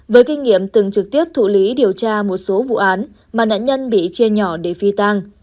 với kinh nghiệm từng trực tiếp thụ lý điều tra một số vụ án mà nạn nhân bị chia nhỏ để phi tang